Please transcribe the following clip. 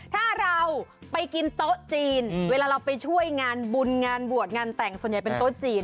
ถ้าเราไปกินโต๊ะจีนเวลาเราไปช่วยงานบุญงานบวชงานแต่งส่วนใหญ่เป็นโต๊ะจีน